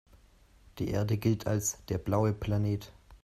Die Erde gilt als der „blaue Planet“.